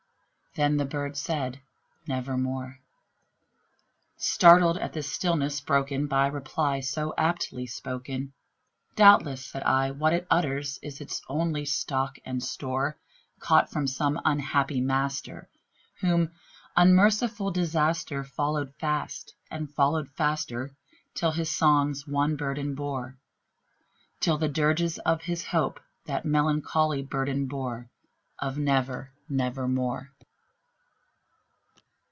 Then the bird said, "Nevermore." Startled at the stillness broken by reply so aptly spoken, "Doubtless," said I, "what it utters is its only stock and store, Caught from some unhappy master whom unmerciful Disaster Followed fast and followed faster till his songs one burden bore Till the dirges of his Hope the melancholy burden bore Of 'Never nevermore.'"